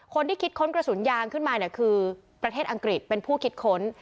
คิดค้นกระสุนยางขึ้นมาคือประเทศอังกฤษเป็นผู้คิดค้น